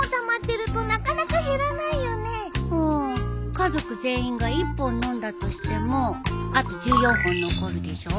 家族全員が１本飲んだとしてもあと１４本残るでしょ。